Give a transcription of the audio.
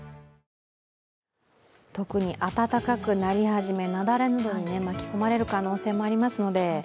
特に、暖かくなり始め雪崩などに巻き込まれる可能性がありますので。